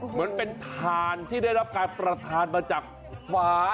เหมือนเป็นถ่านที่ได้รับการประทานมาจากหมา